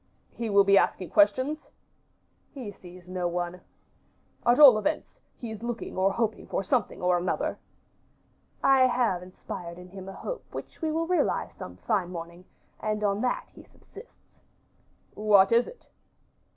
"He will be asking questions?" "He sees no one." "At all events, he is looking or hoping for something or another." "I have inspired in him a hope which we will realize some fine morning, and on that he subsists." "What is it?"